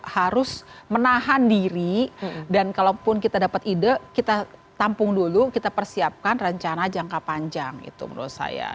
harus menahan diri dan kalaupun kita dapat ide kita tampung dulu kita persiapkan rencana jangka panjang itu menurut saya